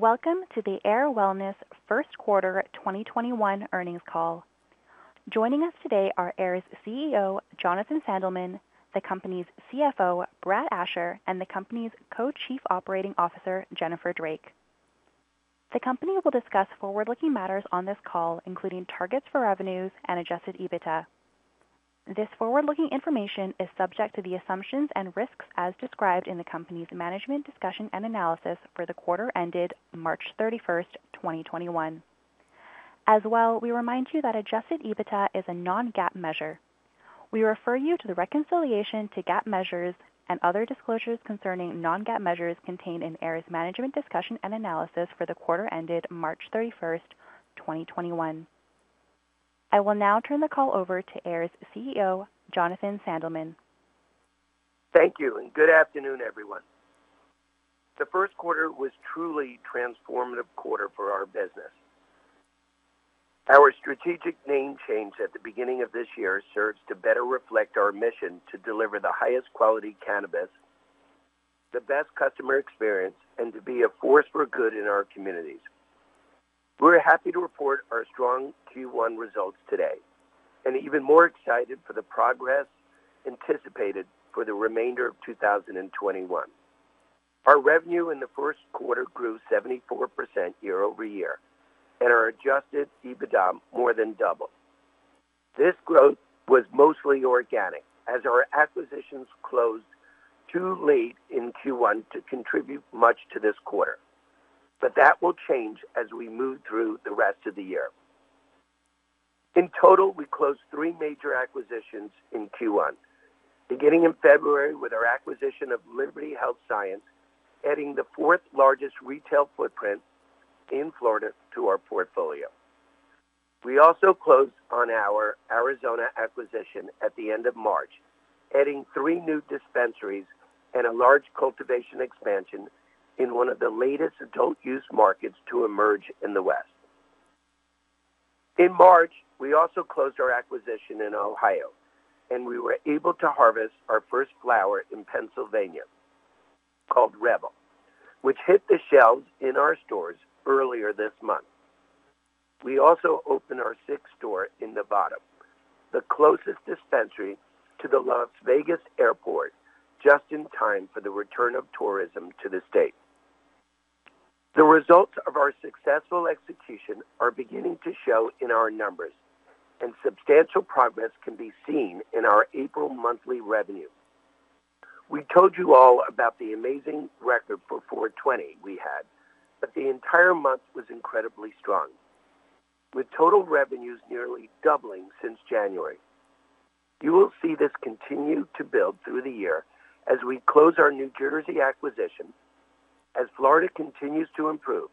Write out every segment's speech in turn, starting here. Welcome to the Ayr Wellness first quarter 2021 earnings call. Joining us today are Ayr's CEO, Jonathan Sandelman, the company's CFO, Brad Asher, and the company's Co-Chief Operating Officer, Jennifer Drake. The company will discuss forward-looking matters on this call, including targets for revenues and adjusted EBITDA. This forward-looking information is subject to the assumptions and risks as described in the company's management discussion and analysis for the quarter ended March 31st, 2021. We remind you that adjusted EBITDA is a non-GAAP measure. We refer you to the reconciliation to GAAP measures and other disclosures concerning non-GAAP measures contained in Ayr's management discussion and analysis for the quarter ended March 31st, 2021. I will now turn the call over to Ayr's CEO, Jonathan Sandelman. Thank you, good afternoon, everyone. The first quarter was truly a transformative quarter for our business. Our strategic name change at the beginning of this year serves to better reflect our mission to deliver the highest quality cannabis, the best customer experience, and to be a force for good in our communities. We're happy to report our strong Q1 results today, and even more excited for the progress anticipated for the remainder of 2021. Our revenue in the first quarter grew 74% year-over-year, and our adjusted EBITDA more than doubled. This growth was mostly organic, as our acquisitions closed too late in Q1 to contribute much to this quarter. That will change as we move through the rest of the year. In total, we closed three major acquisitions in Q1, beginning in February with our acquisition of Liberty Health Sciences, adding the fourth largest retail footprint in Florida to our portfolio. We also closed on our Arizona acquisition at the end of March, adding three new dispensaries and a large cultivation expansion in one of the latest adult-use markets to emerge in the West. In March, we also closed our acquisition in Ohio, and we were able to harvest our first flower in Pennsylvania, called Revel, which hit the shelves in our stores earlier this month. We also opened our sixth store in Nevada, the closest dispensary to the Las Vegas airport, just in time for the return of tourism to the state. The results of our successful execution are beginning to show in our numbers, and substantial progress can be seen in our April monthly revenue. We told you all about the amazing record for 4/20 we had, but the entire month was incredibly strong, with total revenues nearly doubling since January. You will see this continue to build through the year as we close our New Jersey acquisition, as Florida continues to improve,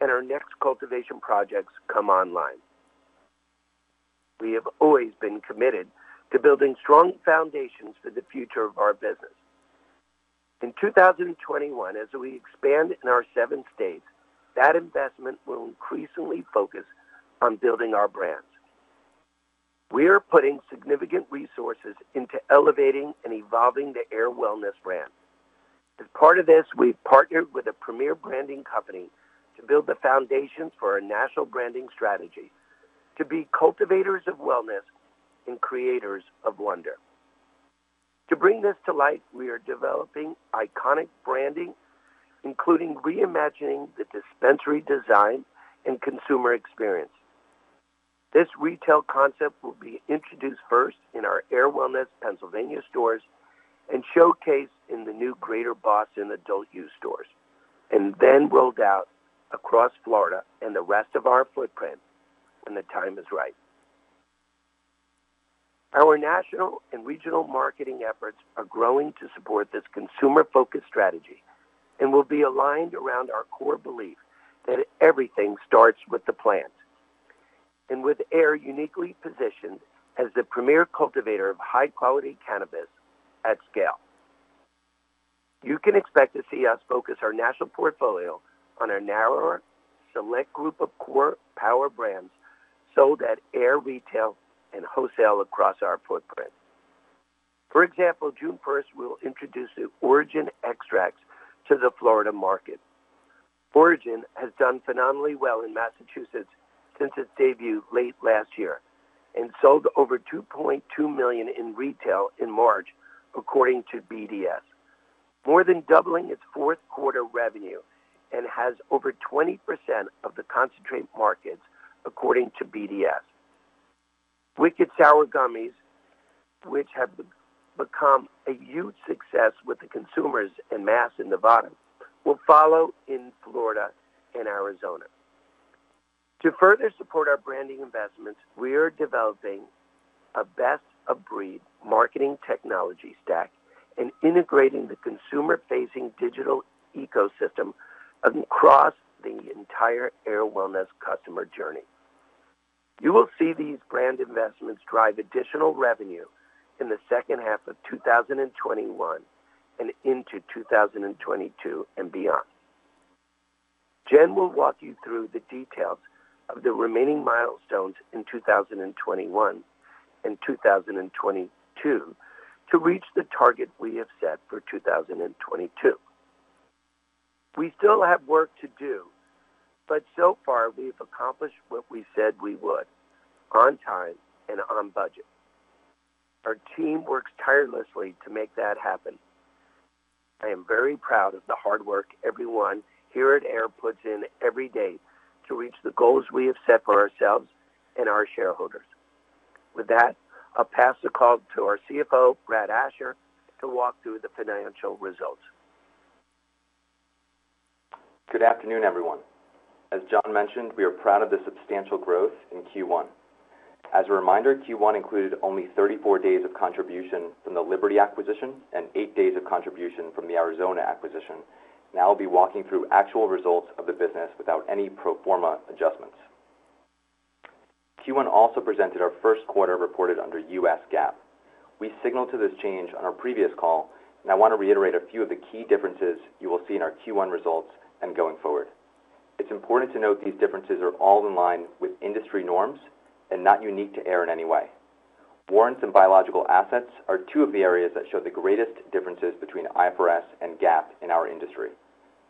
and our next cultivation projects come online. We have always been committed to building strong foundations for the future of our business. In 2021, as we expand in our seven states, that investment will increasingly focus on building our brands. We are putting significant resources into elevating and evolving the Ayr Wellness brand. Part of this, we partnered with a premier branding company to build the foundation for our national branding strategy to be cultivators of wellness and creators of wonder. To bring this to life, we are developing iconic branding, including re-imagining the dispensary design and consumer experience. This retail concept will be introduced first in our Ayr Wellness Pennsylvania stores and showcased in the new Greater Boston adult-use stores, then rolled out across Florida and the rest of our footprint when the time is right. Our national and regional marketing efforts are growing to support this consumer-focused strategy and will be aligned around our core belief that everything starts with the plant. With Ayr uniquely positioned as the premier cultivator of high-quality cannabis at scale. You can expect to see us focus our national portfolio on a narrower, select group of core power brands sold at Ayr retail and wholesale across our footprint. For example, June 1st, we'll introduce Origyn Extracts to the Florida market. Origyn has done phenomenally well in Massachusetts since its debut late last year and sold over $2.2 million in retail in March, according to BDS, more than doubling its fourth quarter revenue and has over 20% of the concentrate market, according to BDS. Wicked Sour Gummies, which have become a huge success with the consumers in Mass and Nevada, will follow in Florida and Arizona. To further support our branding investments, we are developing a best-of-breed marketing technology stack and integrating the consumer-facing digital ecosystem across the entire Ayr Wellness customer journey. You will see these brand investments drive additional revenue in the second half of 2021 and into 2022 and beyond. Jen will walk you through the details of the remaining milestones in 2021 and 2022 to reach the target we have set for 2022. We still have work to do, but so far, we have accomplished what we said we would on time and on budget. Our team works tirelessly to make that happen. I am very proud of the hard work everyone here at Ayr puts in every day to reach the goals we have set for ourselves and our shareholders. With that, I'll pass the call to our CFO, Brad Asher, to walk through the financial results. Good afternoon, everyone. As John mentioned, we are proud of the substantial growth in Q1. As a reminder, Q1 included only 34 days of contribution from the Liberty acquisition and eight days of contribution from the Arizona acquisition, and I'll be walking through actual results of the business without any pro forma adjustments. Q1 also presented our first quarter reported under U.S. GAAP. We signaled to this change on our previous call, and I want to reiterate a few of the key differences you will see in our Q1 results and going forward. It's important to note these differences are all in line with industry norms and not unique to Ayr in any way. Warrants and biological assets are two of the areas that show the greatest differences between IFRS and GAAP in our industry.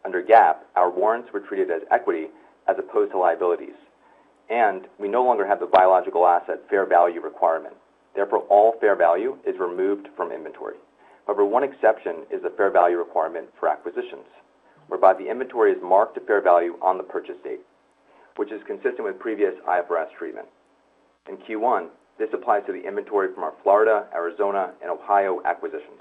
Under GAAP, our warrants were treated as equity as opposed to liabilities, and we no longer have the biological asset fair value requirement. Therefore, all fair value is removed from inventory. However, one exception is the fair value requirement for acquisitions, whereby the inventory is marked to fair value on the purchase date, which is consistent with previous IFRS treatment. In Q1, this applies to the inventory from our Florida, Arizona, and Ohio acquisitions.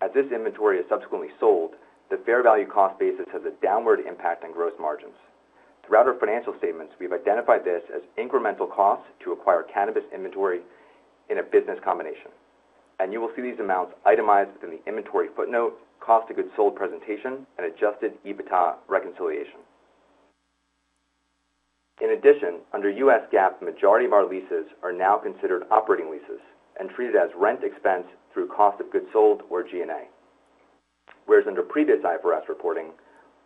As this inventory is subsequently sold, the fair value cost basis has a downward impact on gross margins. Throughout our financial statements, we've identified this as incremental cost to acquire cannabis inventory in a business combination, and you will see these amounts itemized in the inventory footnote, cost of goods sold presentation, and adjusted EBITDA reconciliation. In addition, under U.S. GAAP, the majority of our leases are now considered operating leases and treated as rent expense through cost of goods sold or G&A. Whereas under previous IFRS reporting,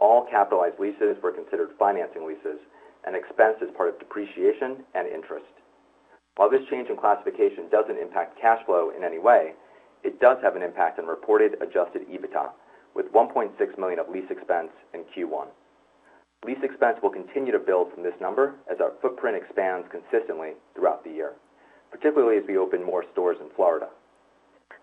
all capitalized leases were considered financing leases and expense as part of depreciation and interest. While this change in classification doesn't impact cash flow in any way, it does have an impact on reported adjusted EBITDA, with $1.6 million of lease expense in Q1. Lease expense will continue to build from this number as our footprint expands consistently throughout the year, particularly as we open more stores in Florida.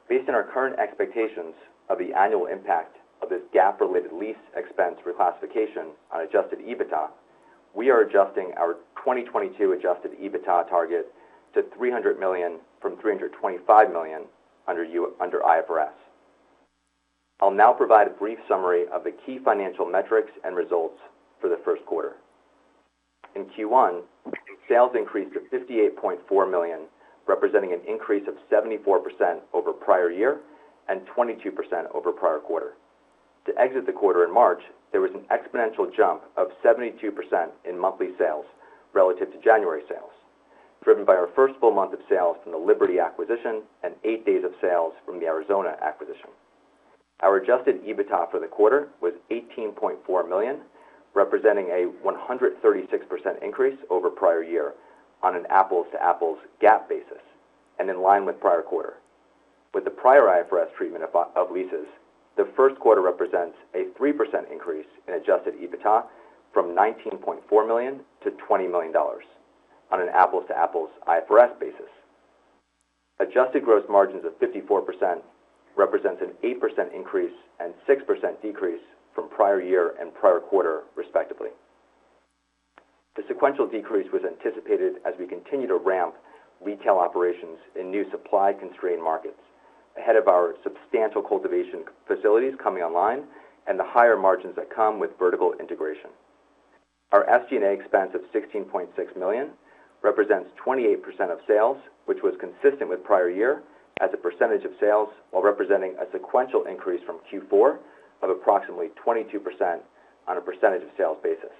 Based on our current expectations of the annual impact of this GAAP-related lease expense reclassification on adjusted EBITDA, we are adjusting our 2022 adjusted EBITDA target to $300 million from $325 million under IFRS. I'll now provide a brief summary of the key financial metrics and results for the first quarter. In Q1, sales increased to $58.4 million, representing an increase of 74% over prior year and 22% over prior quarter. To exit the quarter in March, there was an exponential jump of 72% in monthly sales relative to January sales, driven by our first full month of sales from the Liberty acquisition and eight days of sales from the Arizona acquisition. Our adjusted EBITDA for the quarter was $18.4 million, representing a 136% increase over prior year on an apples-to-apples GAAP basis and in line with prior quarter. With the prior IFRS treatment of leases, the first quarter represents a 3% increase in adjusted EBITDA from $19.4 million to $20 million on an apples-to-apples IFRS basis. Adjusted gross margins of 54% represent an 8% increase and 6% decrease from prior year and prior quarter, respectively. The sequential decrease was anticipated as we continue to ramp retail operations in new supply-constrained markets ahead of our substantial cultivation facilities coming online and the higher margins that come with vertical integration. Our SG&A expense of $16.6 million represents 28% of sales, which was consistent with prior year as a percentage of sales, while representing a sequential increase from Q4 of approximately 22% on a percentage of sales basis.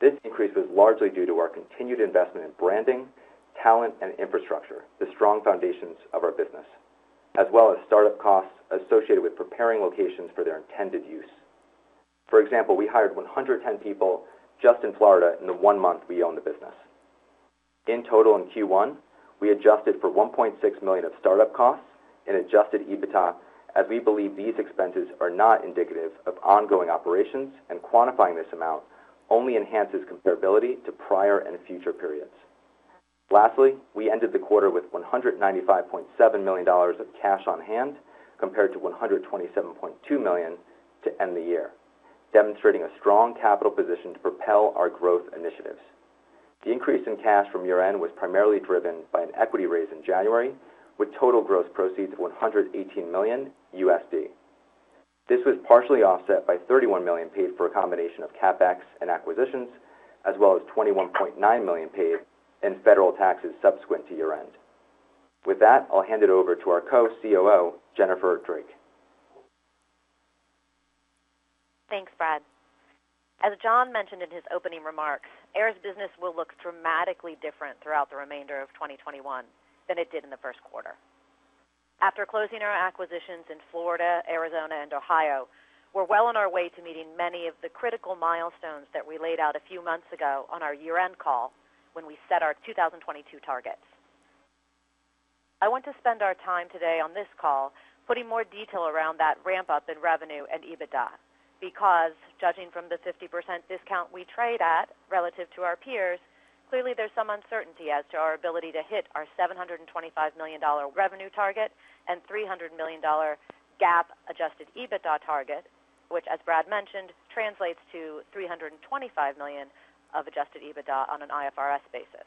This increase was largely due to our continued investment in branding, talent, and infrastructure, the strong foundations of our business, as well as startup costs associated with preparing locations for their intended use. For example, we hired 110 people just in Florida in the one month we owned the business. In total in Q1, we adjusted for $1.6 million of startup costs in adjusted EBITDA as we believe these expenses are not indicative of ongoing operations, and quantifying this amount only enhances comparability to prior and future periods. Lastly, we ended the quarter with $195.7 million of cash on hand compared to $127.2 million to end the year, demonstrating a strong capital position to propel our growth initiatives. The increase in cash from year-end was primarily driven by an equity raise in January, with total gross proceeds of $118 million USD. This was partially offset by $31 million paid for a combination of CapEx and acquisitions, as well as $21.9 million paid in federal taxes subsequent to year-end. With that, I'll hand it over to our Co-COO, Jennifer Drake. Thanks, Brad. As John mentioned in his opening remarks, Ayr's business will look dramatically different throughout the remainder of 2021 than it did in the first quarter. After closing our acquisitions in Florida, Arizona, and Ohio, we're well on our way to meeting many of the critical milestones that we laid out a few months ago on our year-end call when we set our 2022 targets. I want to spend our time today on this call putting more detail around that ramp-up in revenue and EBITDA, because judging from the 50% discount we trade at relative to our peers, clearly there's some uncertainty as to our ability to hit our $725 million revenue target and $300 million GAAP-adjusted EBITDA target, which as Brad mentioned, translates to $325 million of adjusted EBITDA on an IFRS basis.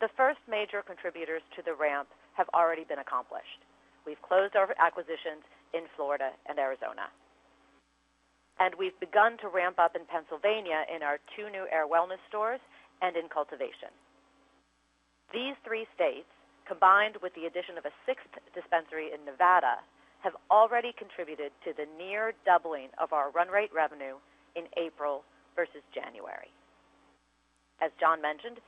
The first major contributors to the ramp have already been accomplished. We've closed our acquisitions in Florida and Arizona, and we've begun to ramp up in Pennsylvania in our two new Ayr Wellness stores and in cultivation. These three states, combined with the addition of a sixth dispensary in Nevada, have already contributed to the near doubling of our run rate revenue in April versus January. As John mentioned,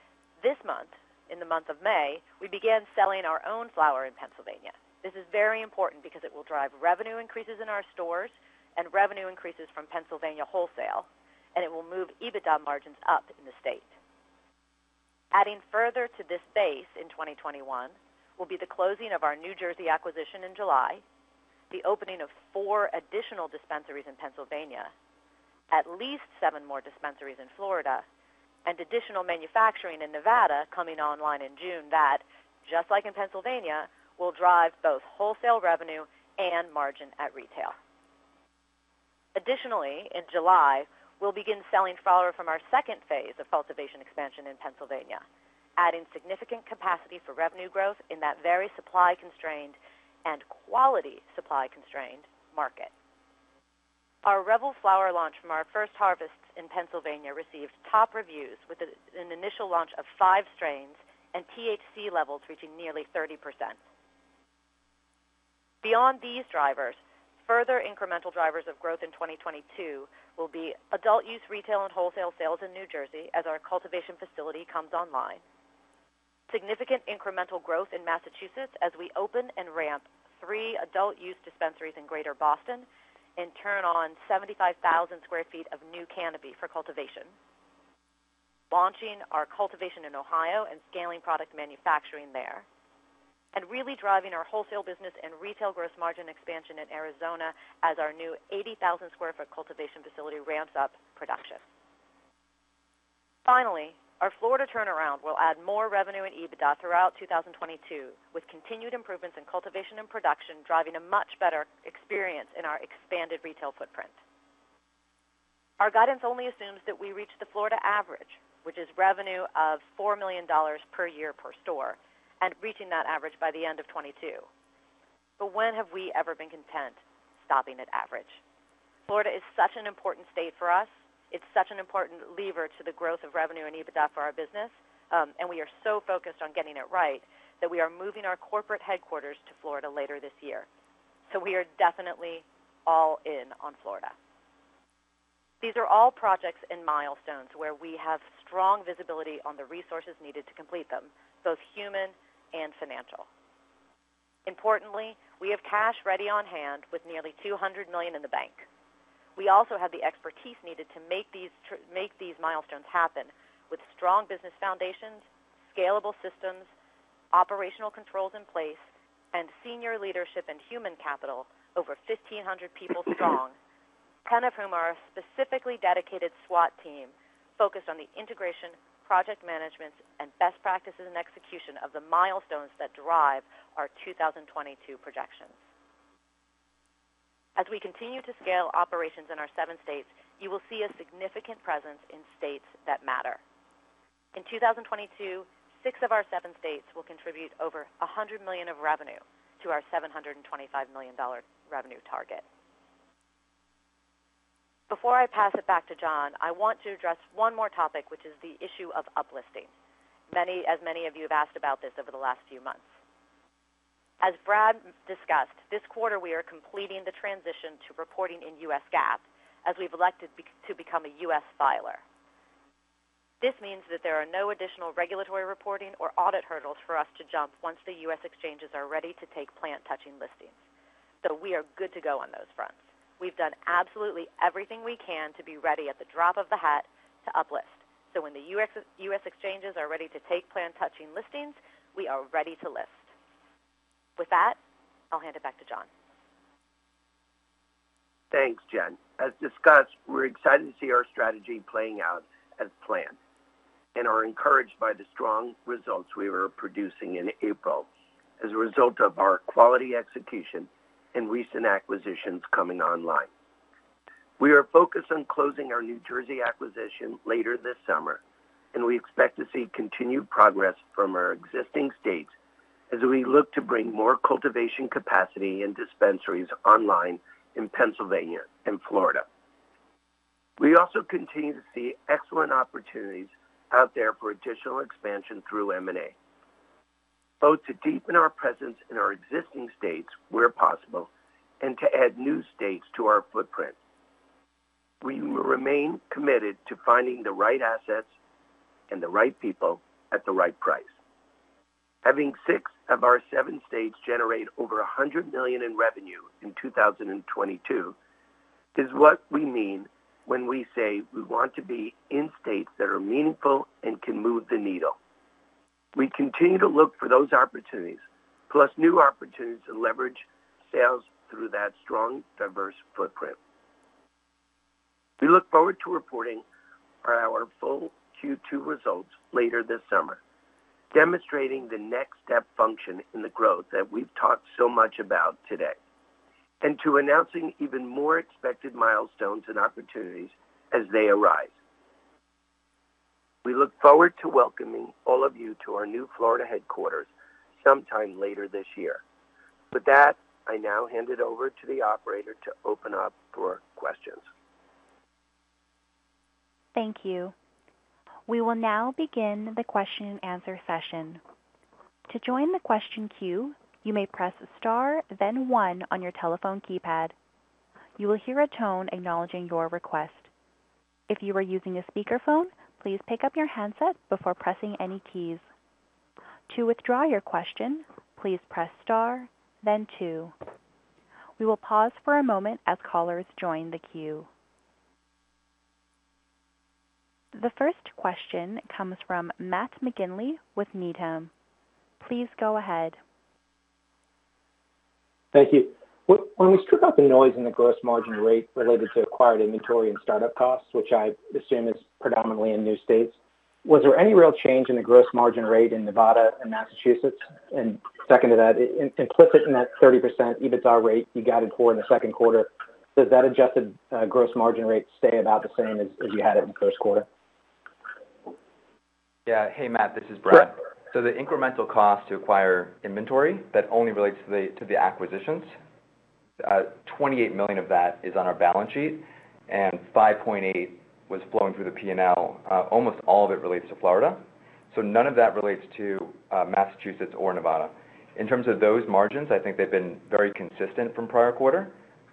this month, in the month of May, we began selling our own flower in Pennsylvania. This is very important because it will drive revenue increases in our stores and revenue increases from Pennsylvania wholesale, and it will move EBITDA margins up in the state. Adding further to this base in 2021 will be the closing of our New Jersey acquisition in July, the opening of four additional dispensaries in Pennsylvania, at least seven more dispensaries in Florida, and additional manufacturing in Nevada coming online in June that, just like in Pennsylvania, will drive both wholesale revenue and margin at retail. Additionally, in July, we'll begin selling flower from our second phase of cultivation expansion in Pennsylvania, adding significant capacity for revenue growth in that very supply-constrained and quality supply-constrained market. Our Revel flower launch from our first harvest in Pennsylvania received top reviews with an initial launch of five strains and THC levels reaching nearly 30%. Beyond these drivers, further incremental drivers of growth in 2022 will be adult-use retail and wholesale sales in New Jersey as our cultivation facility comes online, significant incremental growth in Massachusetts as we open and ramp three adult-use dispensaries in greater Boston and turn on 75,000 sq ft of new canopy for cultivation, launching our cultivation in Ohio and scaling product manufacturing there, and really driving our wholesale business and retail gross margin expansion in Arizona as our new 80,000-sq-ft cultivation facility ramps up production. Finally, our Florida turnaround will add more revenue and EBITDA throughout 2022, with continued improvements in cultivation and production driving a much better experience in our expanded retail footprint. Our guidance only assumes that we reach the Florida average, which is revenue of $4 million per year per store, and reaching that average by the end of 2022. When have we ever been content stopping at average? Florida is such an important state for us. It's such an important lever to the growth of revenue and EBITDA for our business, and we are so focused on getting it right that we are moving our corporate headquarters to Florida later this year. We are definitely all in on Florida. These are all projects and milestones where we have strong visibility on the resources needed to complete them, both human and financial. We have cash ready on hand with nearly $200 million in the bank. We also have the expertise needed to make these milestones happen with strong business foundations, scalable systems, operational controls in place, and senior leadership and human capital over 1,500 people strong, 10 of whom are a specifically dedicated SWAT team focused on the integration, project management, and best practices and execution of the milestones that drive our 2022 projections. We continue to scale operations in our seven states, you will see a significant presence in states that matter. In 2022, six of our seven states will contribute over $100 million of revenue to our $725 million revenue target. Before I pass it back to John, I want to address one more topic, which is the issue of uplisting, as many of you have asked about this over the last few months. As Brad discussed, this quarter we are completing the transition to reporting in U.S. GAAP, as we've elected to become a U.S. filer. This means that there are no additional regulatory reporting or audit hurdles for us to jump once the U.S. exchanges are ready to take plant-touching listings. We are good to go on those fronts. We've done absolutely everything we can to be ready at the drop of a hat to uplist. When the U.S. exchanges are ready to take plant-touching listings, we are ready to list. With that, I'll hand it back to John. Thanks, Jen. As discussed, we're excited to see our strategy playing out as planned and are encouraged by the strong results we are producing in April as a result of our quality execution and recent acquisitions coming online. We are focused on closing our New Jersey acquisition later this summer, and we expect to see continued progress from our existing states as we look to bring more cultivation capacity and dispensaries online in Pennsylvania and Florida. We also continue to see excellent opportunities out there for additional expansion through M&A, both to deepen our presence in our existing states where possible and to add new states to our footprint. We will remain committed to finding the right assets and the right people at the right price. Having six of our seven states generate over $100 million in revenue in 2022 is what we mean when we say we want to be in states that are meaningful and can move the needle. We continue to look for those opportunities, plus new opportunities to leverage sales through that strong, diverse footprint. We look forward to reporting our full Q2 results later this summer, demonstrating the next step function in the growth that we've talked so much about today, and to announcing even more expected milestones and opportunities as they arise. We look forward to welcoming all of you to our new Florida headquarters sometime later this year. With that, I now hand it over to the operator to open up for questions. Thank you. We will now begin the question and answer session. To join the question queue, you may press star then one on your telephone keypad. You will hear a tone acknowledging your request. If you are using a speakerphone, please pick up your handset before pressing any keys. To withdraw your question, please press star then two. We will pause for a moment as callers join the queue. The first question comes from Matt McGinley with Needham. Please go ahead. Thank you. When we strip out the noise in the gross margin rate related to acquired inventory and startup costs, which I assume is predominantly in new states, was there any real change in the gross margin rate in Nevada and Massachusetts? Second to that, implicit in that 30% EBITDA rate you guided for in the second quarter, does that adjusted gross margin rate stay about the same as you had it in the first quarter? Yeah. Hey, Matt, this is Brad. The incremental cost to acquire inventory, that only relates to the acquisitions. $28 million of that is on our balance sheet, and $5.8 was flowing through the P&L. Almost all of it relates to Florida. None of that relates to Massachusetts or Nevada. In terms of those margins, I think they've been very consistent from prior quarter,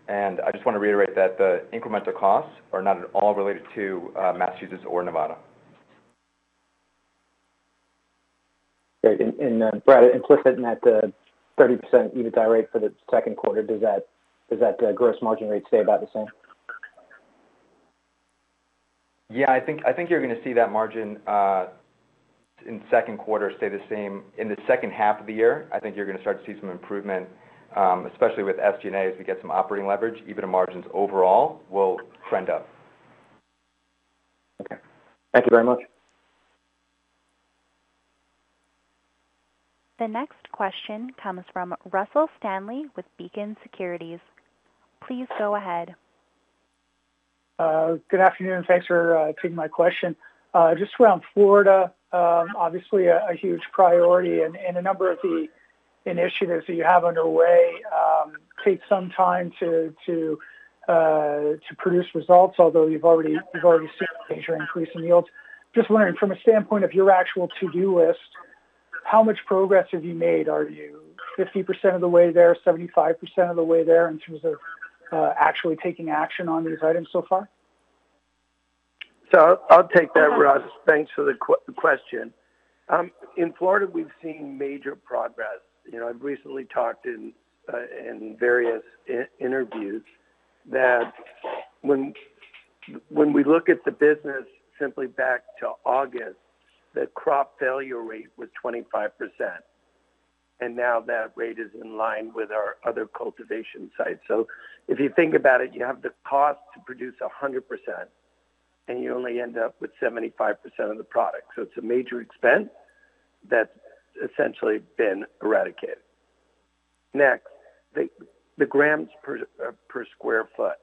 and I just want to reiterate that the incremental costs are not at all related to Massachusetts or Nevada. Great. Brad, implicit in that 30% EBITDA rate for the second quarter, does that gross margin rate stay about the same? Yeah, I think you're going to see that margin in the second quarter stay the same. In the second half of the year, I think you're going to start to see some improvement, especially with SG&A, as we get some operating leverage, EBITDA margins overall will trend up. Okay. Thank you very much. The next question comes from Russell Stanley with Beacon Securities. Please go ahead. Good afternoon. Thanks for taking my question. Around Florida, obviously a huge priority, a number of the initiatives that you have underway take some time to produce results, although you've already seen increases in yields. Wondering from a standpoint of your actual to-do list, how much progress have you made? Are you 50% of the way there, 75% of the way there in terms of actually taking action on these items so far? I'll take that, Russ. Thanks for the question. In Florida, we've seen major progress. I've recently talked in various interviews that when we look at the business simply back to August, the crop failure rate was 25%, and now that rate is in line with our other cultivation sites. If you think about it, you have the cost to produce 100%, and you only end up with 75% of the product. It's a major expense that's essentially been eradicated. Next, the grams per square foot.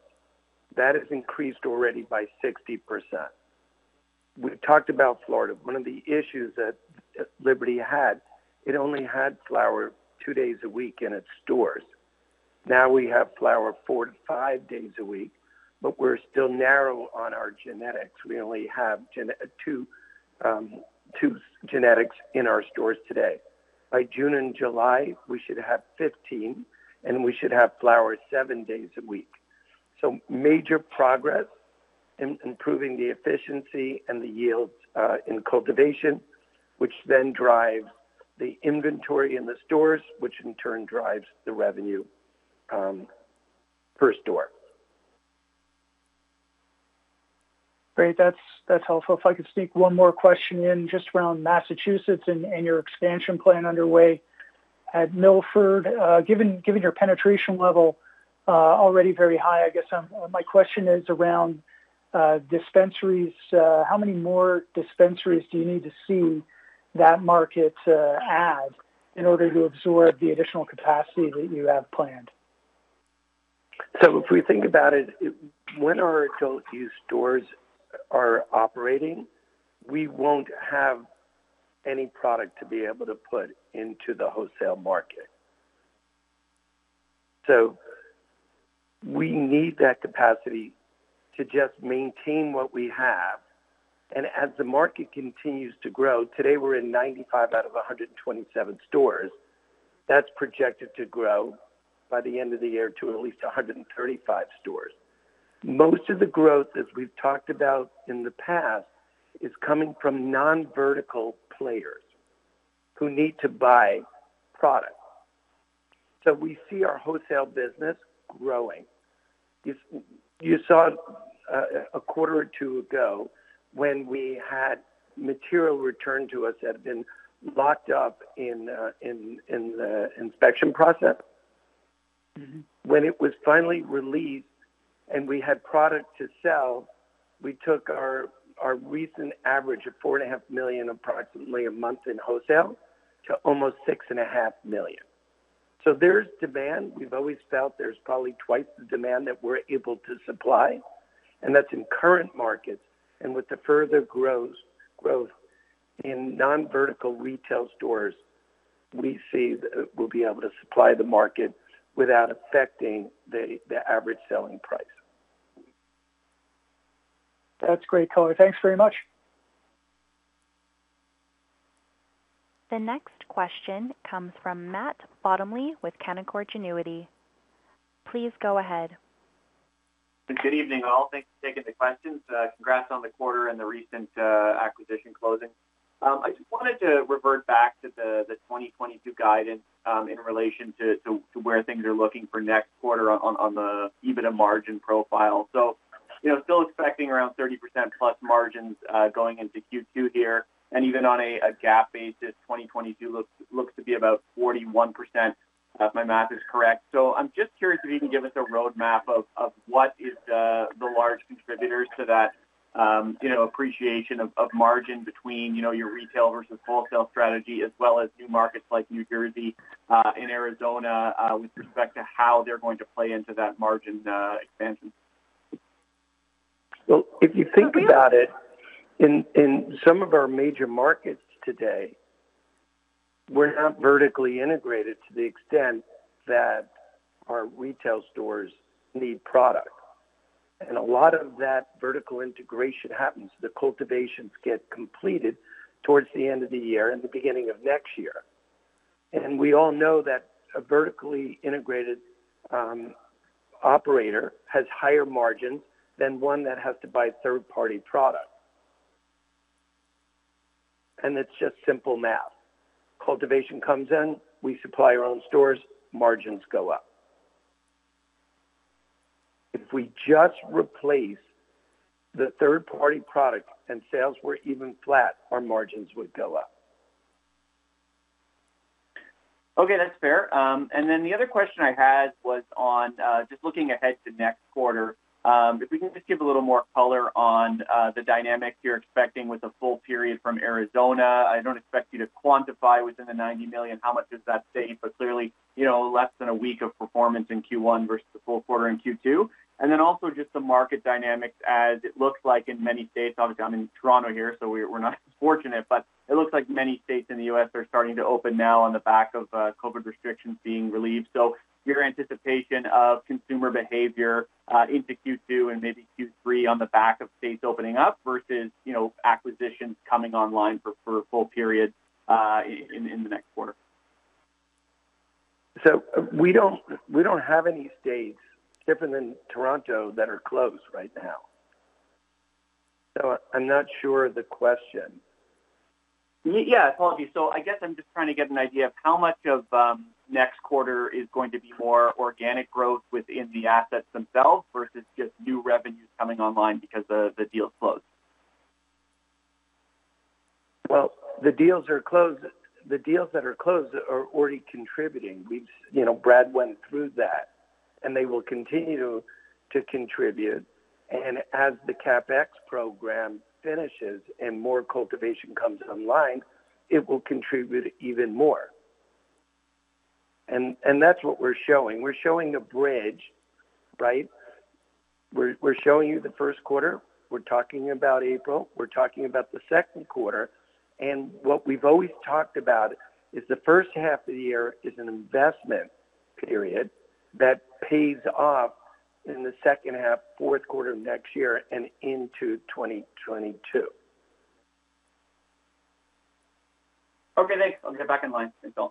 That has increased already by 60%. We've talked about Florida. One of the issues that Liberty had, it only had flower two days a week in its stores. Now we have flower four to five days a week, but we're still narrow on our genetics. We only have two genetics in our stores today. By June and July, we should have 15, and we should have flower seven days a week. Major progress in improving the efficiency and the yields in cultivation, which then drives the inventory in the stores, which in turn drives the revenue per store. Great. That's helpful. If I could sneak one more question in, just around Massachusetts and your expansion plan underway at Milford. Given your penetration level already very high, I guess my question is around dispensaries. How many more dispensaries do you need to see that market to add in order to absorb the additional capacity that you have planned? If we think about it, when our adult-use stores are operating, we won't have any product to be able to put into the wholesale market. We need that capacity to just maintain what we have. As the market continues to grow, today we're in 95 out of 127 stores. That's projected to grow by the end of the year to at least 135 stores. Most of the growth, as we've talked about in the past, is coming from non-vertical players who need to buy product. We see our wholesale business growing. You saw a quarter or two ago when we had material returned to us that had been locked up in the inspection process. When it was finally released and we had product to sell, we took our recent average of $4.5 million, approximately, a month in wholesale to almost $6.5 million. There's demand. We've always felt there's probably twice the demand that we're able to supply, and that's in current markets. With the further growth in non-vertical retail stores, we see that we'll be able to supply the market without affecting the average selling price. That's great color. Thanks very much. The next question comes from Matt Bottomley with Canaccord Genuity. Please go ahead. Good evening, all. Thanks for taking the questions. Congrats on the quarter and the recent acquisition closing. I just wanted to revert back to the 2022 guidance in relation to where things are looking for next quarter on the EBITDA margin profile. Still expecting around 30% plus margins going into Q2 here, and even on a GAAP basis, 2022 looks to be about 41%, if my math is correct. I'm just curious if you can give us a roadmap of what is the large contributors to that appreciation of margin between your retail versus wholesale strategy as well as new markets like New Jersey and Arizona with respect to how they're going to play into that margin expansion. Well, if you think about it, in some of our major markets today, we're vertically integrated to the extent that our retail stores need product. A lot of that vertical integration happens, the cultivations get completed towards the end of the year and the beginning of next year. We all know that a vertically integrated operator has higher margins than one that has to buy third-party product. It's just simple math. Cultivation comes in, we supply our own stores, margins go up. If we just replace the third-party product and sales were even flat, our margins would go up. Okay, that's fair. The other question I had was on just looking ahead to next quarter. If we can just give a little more color on the dynamic you're expecting with a full period from Arizona. I don't expect you to quantify within the $90 million, how much is that, say, but clearly, less than a week of performance in Q1 versus the full quarter in Q2. Also just the market dynamics as it looks like in many states. I was down in Toronto here, so we're not as fortunate, but it looks like many states in the U.S. are starting to open now on the back of COVID restrictions being relieved. Your anticipation of consumer behavior into Q2 and maybe Q3 on the back of states opening up versus acquisitions coming online for a full period in the next quarter. We don't have any states different than Toronto that are closed right now. I'm not sure of the question. Yeah, totally. I guess I'm just trying to get an idea of how much of next quarter is going to be more organic growth within the assets themselves versus just new revenues coming online because the deal closed. The deals that are closed are already contributing. Brad went through that, and they will continue to contribute. As the CapEx program finishes and more cultivation comes online, it will contribute even more. That's what we're showing. We're showing a bridge, right? We're showing you the first quarter. We're talking about April. We're talking about the second quarter. What we've always talked about is the first half of the year is an investment period that pays off in the second half, fourth quarter of next year and into 2022. Okay, thanks. I'll get back in line. Thanks, John.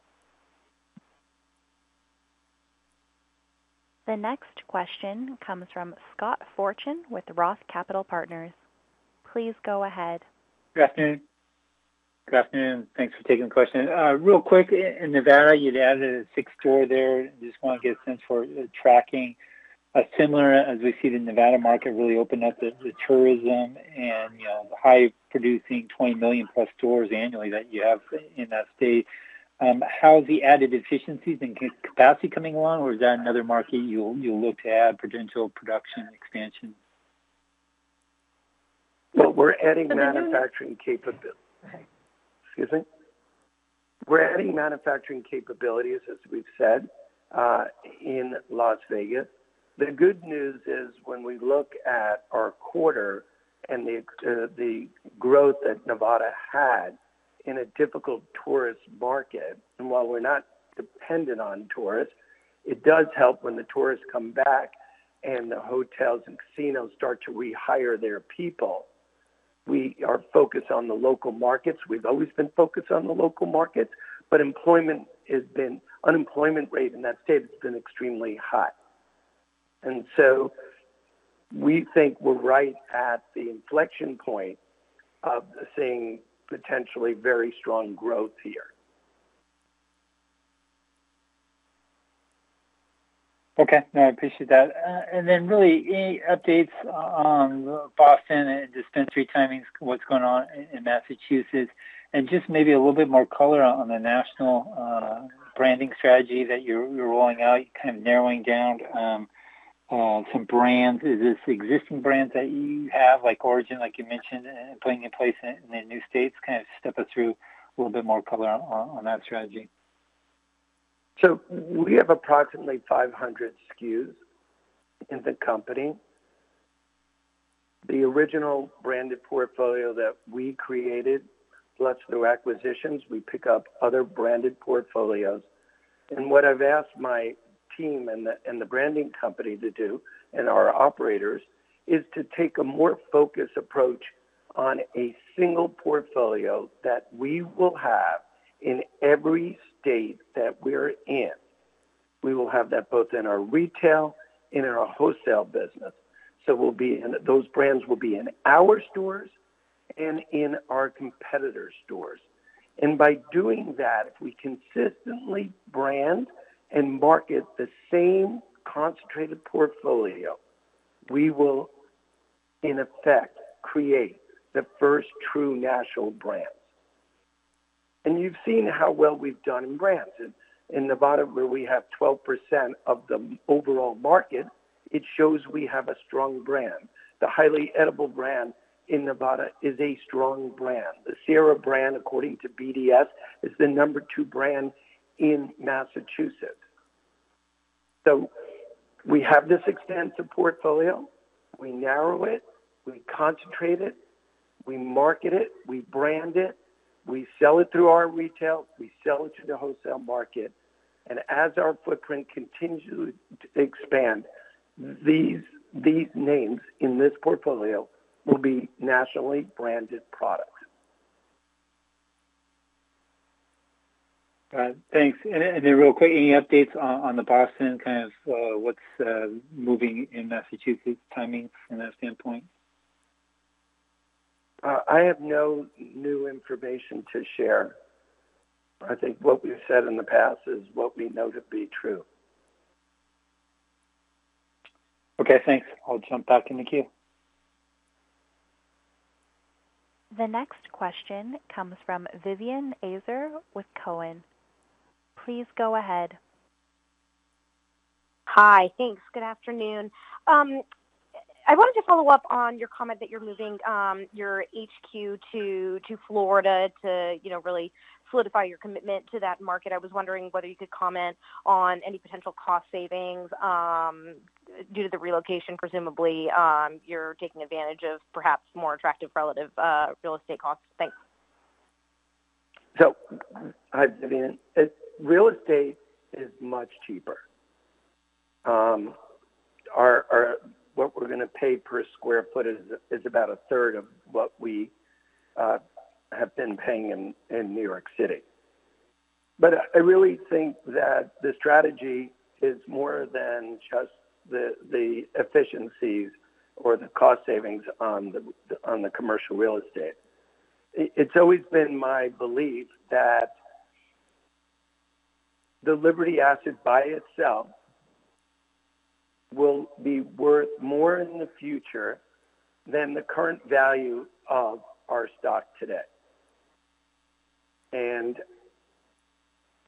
The next question comes from Scott Fortune with ROTH Capital Partners. Please go ahead. Good afternoon. Good afternoon. Thanks for taking the question. Real quick, in Nevada, you've added a sixth store there. Just want to get a sense for the tracking. Similar as we see the Nevada market really open up the tourism and high-producing, 20 million-plus stores annually that you have in that state. How have the added efficiencies and capacity coming along, or is that another market you'll look to add potential production expansion? Well, we're adding manufacturing capability. Excuse me. We're adding manufacturing capabilities, as we've said, in Las Vegas. The good news is when we look at our quarter and the growth that Nevada had, in a difficult tourist market, and while we're not dependent on tourists, it does help when the tourists come back and the hotels and casinos start to rehire their people. We are focused on the local markets. We've always been focused on the local markets, but unemployment rate in that state has been extremely high. We think we're right at the inflection point of seeing potentially very strong growth here. Okay. No, I appreciate that. Really any updates on Boston dispensary timings, what's going on in Massachusetts, and just maybe a little bit more color on the national branding strategy that you're rolling out, kind of narrowing down on some brands? Is this existing brands that you have, like Origyn, like you mentioned, putting in place in the new states? Kind of step us through a little bit more color on that strategy. We have approximately 500 SKUs in the company. The original branded portfolio that we created, plus through acquisitions, we pick up other branded portfolios. What I've asked my team and the branding company to do, and our operators, is to take a more focused approach on a single portfolio that we will have in every state that we're in. We will have that both in our retail and in our wholesale business. Those brands will be in our stores and in our competitors' stores. By doing that, if we consistently brand and market the same concentrated portfolio, we will, in effect, create the first true national brand. You've seen how well we've done in brands. In Nevada, where we have 12% of the overall market, it shows we have a strong brand. The Highly Edible brand in Nevada is a strong brand. The Sira brand, according to BDS, is the number two brand in Massachusetts. We have this expansive portfolio. We narrow it, we concentrate it, we market it, we brand it, we sell it through our retail, we sell it through the wholesale market. As our footprint continues to expand, these names in this portfolio will be nationally branded products. Got it. Thanks. Real quick, any updates on the Boston, kind of what's moving in Massachusetts timing from that standpoint? I have no new information to share. I think what we've said in the past is what we know to be true. Okay, thanks. I'll jump back in the queue. The next question comes from Vivien Azer with Cowen. Please go ahead. Hi. Thanks. Good afternoon. I wanted to follow up on your comment that you're moving your HQ to Florida to really solidify your commitment to that market. I was wondering whether you could comment on any potential cost savings due to the relocation. Presumably, you're taking advantage of perhaps more attractive relative real estate costs. Thanks. Real estate is much cheaper. What we're going to pay per square foot is about a third of what we have been paying in New York City. I really think that the strategy is more than just the efficiencies or the cost savings on the commercial real estate. It's always been my belief that the Liberty asset by itself will be worth more in the future than the current value of our stock today.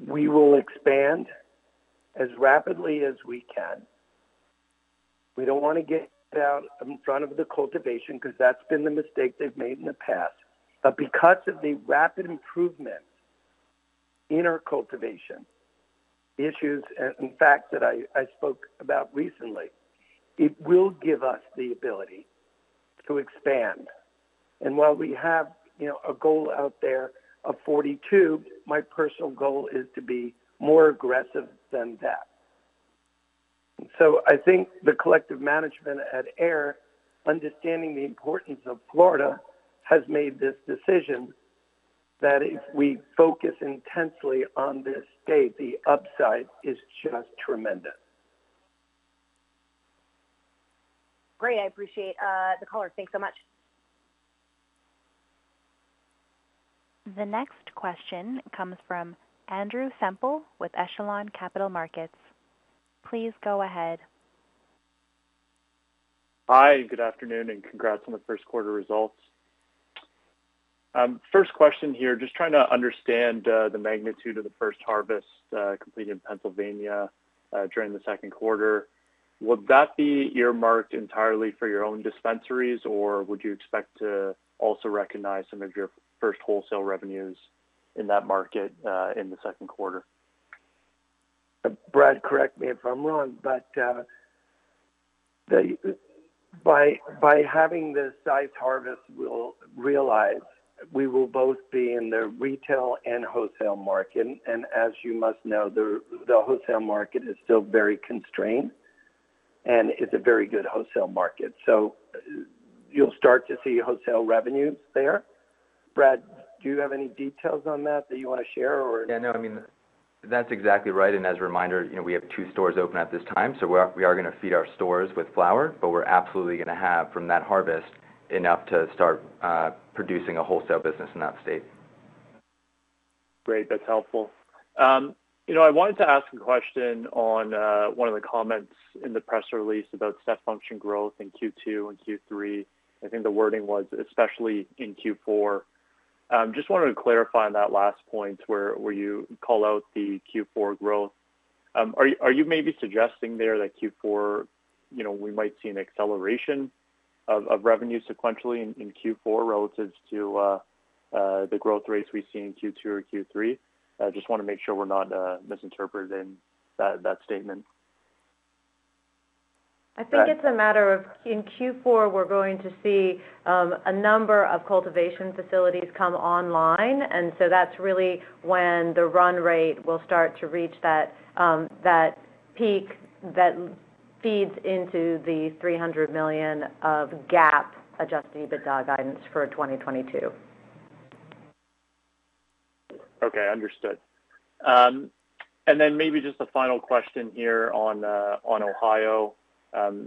We will expand as rapidly as we can. We don't want to get out in front of the cultivation because that's been the mistake they've made in the past. Because of the rapid improvement in our cultivation issues, and the fact that I spoke about recently, it will give us the ability to expand. While we have a goal out there of 42, my personal goal is to be more aggressive than that. I think the collective management at Ayr, understanding the importance of Florida, has made this decision that if we focus intensely on this state, the upside is just tremendous. Great. I appreciate the color. Thanks so much. The next question comes from Andrew Semple with Echelon Capital Markets. Please go ahead. Good afternoon, congrats on the first quarter results. First question here, just trying to understand the magnitude of the first harvest completed in Pennsylvania during the second quarter. Would that be earmarked entirely for your own dispensaries, or would you expect to also recognize some of your first wholesale revenues in that market in the second quarter? Brad, correct me if I'm wrong, by having this harvest realized, we will both be in the retail and wholesale market. As you must know, the wholesale market is still very constrained, it's a very good wholesale market. You'll start to see wholesale revenues there. Brad, do you have any details on that that you want to share? Yeah, no, that's exactly right. As a reminder, we have two stores open at this time. We are going to see our stores with flower, but we're absolutely going to have, from that harvest, enough to start producing a wholesale business in that state. Great. That's helpful. I wanted to ask a question on one of the comments in the press release about step function growth in Q2 and Q3. I think the wording was especially in Q4. Wanted to clarify on that last point where you call out the Q4 growth. Are you maybe suggesting there that Q4, we might see an acceleration of revenue sequentially in Q4 relative to the growth rates we've seen in Q2 or Q3? I just want to make sure we're not misinterpreting that statement. I think it's a matter of in Q4, we're going to see a number of cultivation facilities come online. That's really when the run rate will start to reach that peak that feeds into the $300 million of GAAP, adjusted EBITDA guidance for 2022. Okay, understood. Then maybe just a final question here on Ohio.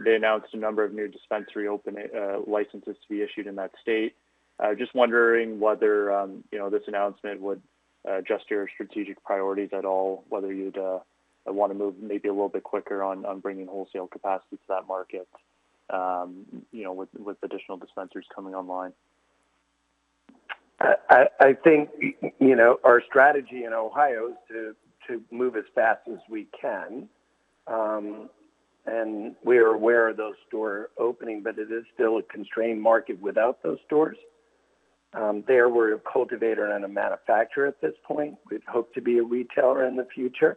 They announced a number of new dispensary licenses to be issued in that state. Just wondering whether this announcement would adjust your strategic priorities at all, whether you'd want to move maybe a little bit quicker on bringing wholesale capacity to that market with additional dispensers coming online. I think our strategy in Ohio is to move as fast as we can. We are aware of those stores opening. It is still a constrained market without those stores. There we're a cultivator and a manufacturer at this point. We hope to be a retailer in the future.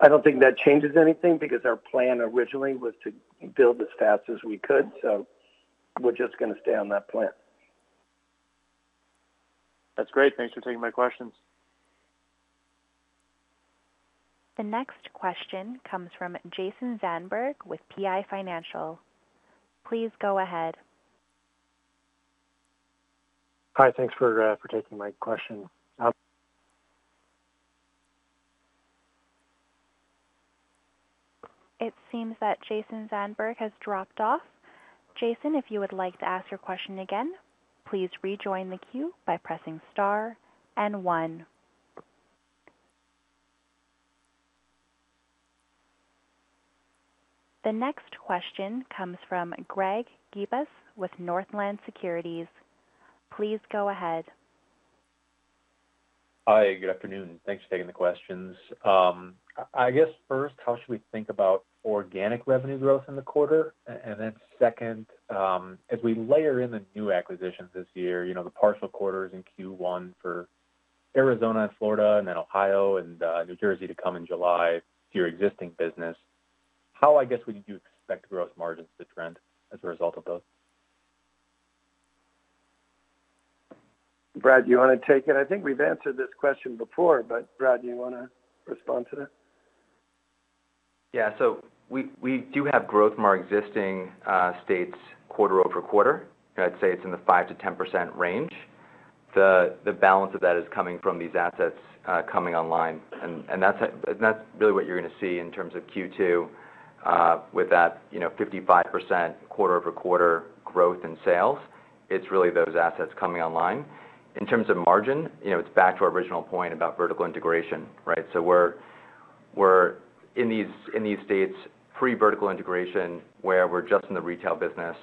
I don't think that changes anything because our plan originally was to build as fast as we could. We're just going to stay on that plan. That's great. Thanks for taking my questions. The next question comes from Jason Zandberg with PI Financial. Please go ahead. Hi, thanks for taking my question. It seems that Jason Zandberg has dropped off. Jason, if you would like to ask your question again, please rejoin the queue by pressing star and one. The next question comes from Greg Gibas with Northland Securities. Please go ahead. Hi, good afternoon. Thanks for taking the questions. I guess first, how should we think about organic revenue growth in the quarter? Then second, as we layer in the new acquisitions this year, the partial quarters in Q1 for Arizona and Florida and Ohio and New Jersey to come in July to your existing business, how, I guess, would you expect gross margins to trend as a result of those? Brad, do you want to take it? I think we've answered this question before, but Brad, do you want to respond to that? We do have gross margin existing states quarter-over-quarter. I'd say it's in the 5%-10% range. The balance of that is coming from these assets coming online. That's really what you're going to see in terms of Q2 with that 55% quarter-over-quarter growth in sales. It's really those assets coming online. In terms of margin, it's back to our original point about vertical integration, right? We're in these states pre-vertical integration, where we're just in the retail business.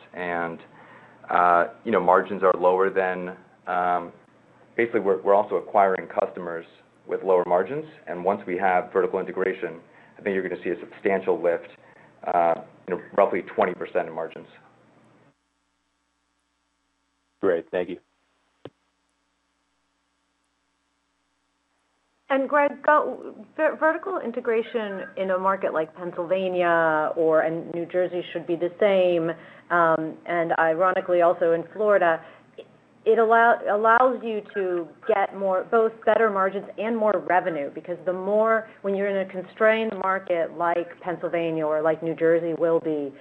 Basically, we're also acquiring customers with lower margins, and once we have vertical integration, I think you're going to see a substantial lift, roughly 20% in margins. Great. Thank you. Greg, vertical integration in a market like Pennsylvania or New Jersey should be the same, and ironically also in Florida. It allows you to get both better margins and more revenue because when you're in a constrained market like Pennsylvania, or like New Jersey will be,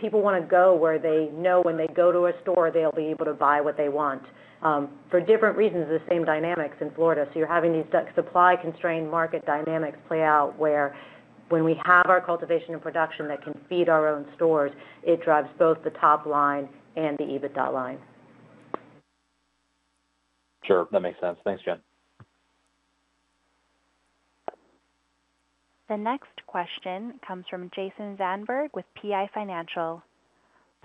people want to go where they know when they go to a store, they'll be able to buy what they want. For different reasons, the same dynamics in Florida. You're having these supply-constrained market dynamics play out where when we have our cultivation and production that can feed our own stores, it drives both the top line and the EBITDA line. Sure. That makes sense. Thanks, Jen. The next question comes from Jason Zandberg with PI Financial.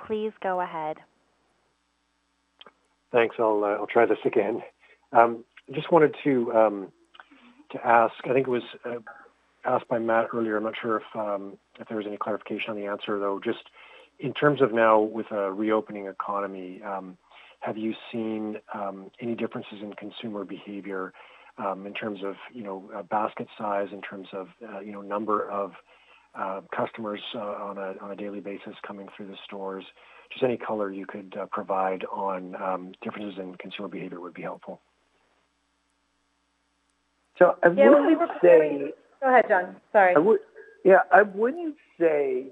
Please go ahead. Thanks. I'll try this again. Just wanted to ask, I think it was asked by Matt earlier. I'm not sure if there was any clarification on the answer, though. In terms of now with a reopening economy, have you seen any differences in consumer behavior in terms of basket size, in terms of number of customers on a daily basis coming through the stores? Just any color you could provide on differences in consumer behavior would be helpful. I wouldn't say. Go ahead, John. Sorry. Yeah, I wouldn't say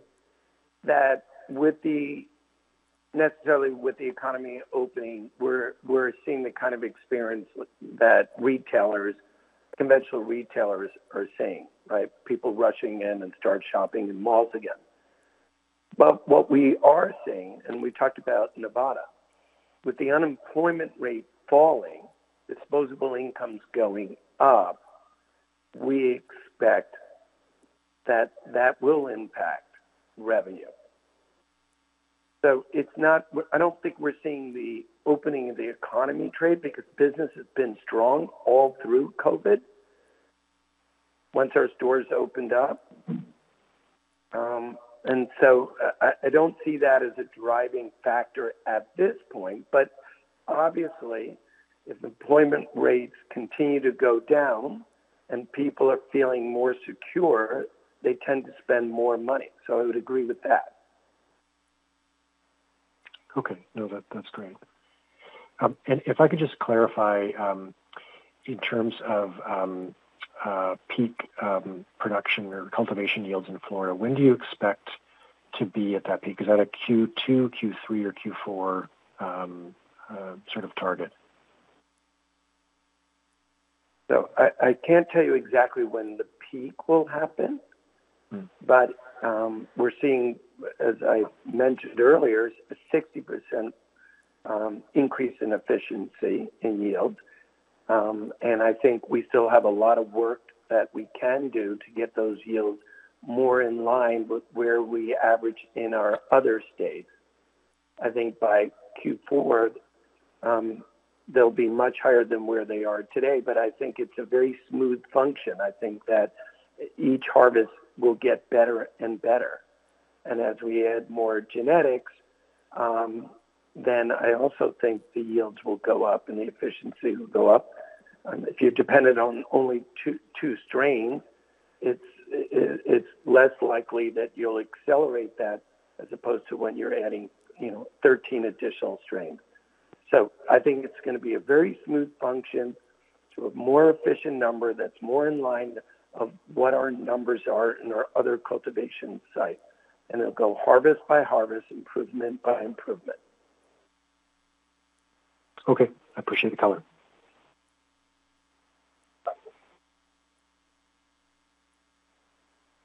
that necessarily with the economy opening, we're seeing the kind of experience that conventional retailers are seeing, right? People rushing in and start shopping in malls again. What we are seeing, and we talked about Nevada, with the unemployment rate falling, disposable income's going up, we expect that that will impact revenue. I don't think we're seeing the opening of the economy trade because business has been strong all through COVID once our stores opened up. I don't see that as a driving factor at this point. Obviously, if employment rates continue to go down and people are feeling more secure, they tend to spend more money. I would agree with that. Okay. No, that's great. If I could just clarify, in terms of peak production or cultivation yields in Florida, when do you expect to be at that peak? Is that a Q2, Q3, or Q4 sort of target? I can't tell you exactly when the peak will happen. We're seeing, as I mentioned earlier, a 60% increase in efficiency in yields. I think we still have a lot of work that we can do to get those yields more in line with where we average in our other states. I think by Q4, they'll be much higher than where they are today. I think it's a very smooth function. I think that each harvest will get better and better. As we add more genetics, then I also think the yields will go up, and the efficiency will go up. If you're dependent on only two strains, it's less likely that you'll accelerate that as opposed to when you're adding 13 additional strains. I think it's going to be a very smooth function to a more efficient number that's more in line of what our numbers are in our other cultivation sites. It'll go harvest by harvest, improvement by improvement. Okay. I appreciate the color.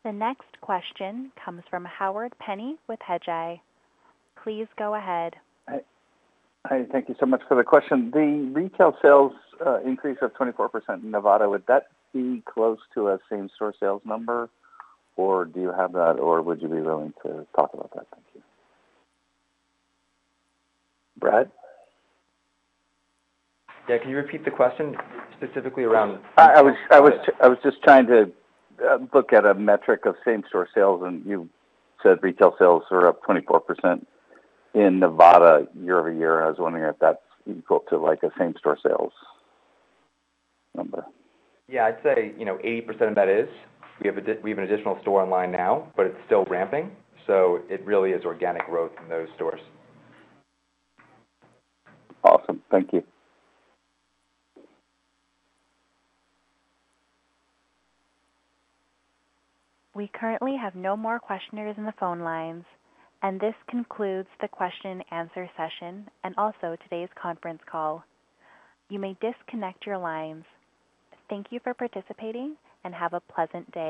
The next question comes from Howard Penney with Hedgeye. Please go ahead. Hi. Thank you so much for the question. The retail sales increase of 24% in Nevada, would that be close to a same-store sales number, or do you have that, or would you be willing to talk about that? Thank you. Brad? Yeah, can you repeat the question specifically around. I was just trying to look at a metric of same-store sales, and you said retail sales are up 24% in Nevada year-over-year, and I was wondering if that's equal to a same-store sales number? Yeah, I'd say 80% of that is. We have an additional store online now, but it's still ramping. It really is organic growth from those stores. Awesome. Thank you. We currently have no more questioners in the phone lines, and this concludes the question and answer session and also today's conference call. You may disconnect your lines. Thank you for participating, and have a pleasant day.